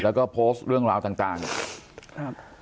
แล้วก็โพสต์เรื่องราวต่างต่างครับ